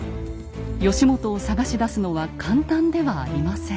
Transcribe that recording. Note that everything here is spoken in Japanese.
義元を捜し出すのは簡単ではありません。